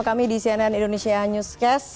kami di cnn indonesia newscast